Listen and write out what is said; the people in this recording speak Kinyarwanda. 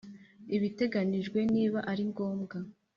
Ibiteganijwe niba ari ngombwa